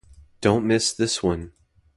Don't miss this one.